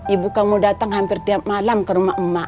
ibu kamu datang hampir tiap malam ke rumah emak